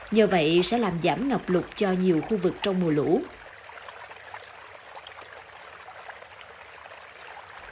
những túi nước này có vai trò quan trọng trong việc điều tiết nước trong tự nhiên để đảm bảo ổn định về nguồn nước theo từng mùa ở miền tây nam bộ